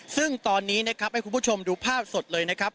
ซึ่งตอนนี้นะครับให้คุณผู้ชมดูภาพสดเลยนะครับ